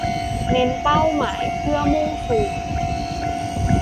เน้นเป้าหมายเพื่อมุ่งสู่